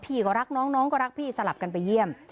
ก็รักน้องน้องก็รักพี่สลับกันไปเยี่ยม